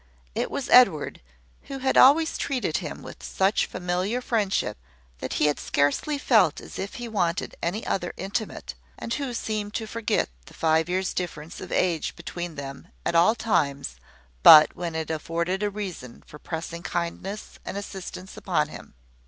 It was Edward who had always treated him with such familiar friendship, that he had scarcely felt as if he wanted any other intimate, and who seemed to forget the five years' difference of age between them at all times but when it afforded a reason for pressing kindness and assistance upon him.